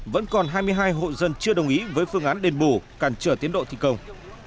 vẫn còn hai mươi hai hộ dân chưa đồng ý với phương án đền bù cản trở tiến độ thi công